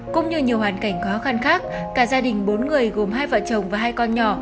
cũng như nhiều hoàn cảnh khó khăn khác cả gia đình bốn người gồm hai vợ chồng và hai con nhỏ